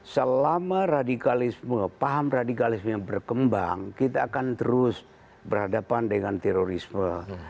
selama radikalisme paham radikalisme berkembang kita akan terus berhadapan dengan terorisme